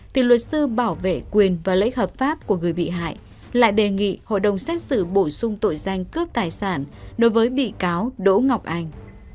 thì luật sư bảo vệ quyền và lợi ích hợp pháp của người bị hại lại đề nghị hội đồng xét xử bổ sung tội danh cướp tài sản đối với bị cáo đỗ ngọc anh